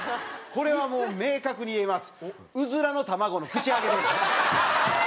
これはもう明確に言えます。